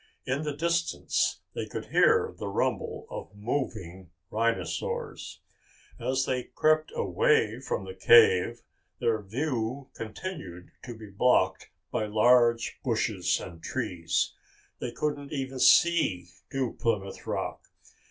In the distance they could hear the rumble of moving rhinosaurs. As they crept away from the cave, their view continued to be blocked by large bushes and trees. They couldn't even see New Plymouth Rock.